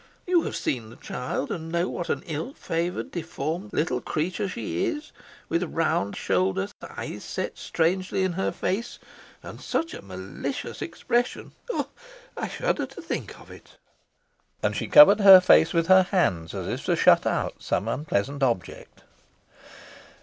You have seen the child, and know what an ill favoured, deformed little creature she is, with round high shoulders, eyes set strangely in her face, and such a malicious expression oh! I shudder to think of it." And she covered her face with her hands, as if to shut out some unpleasant object.